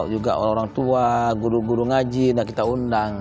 juga orang orang tua guru guru ngaji dan kita undang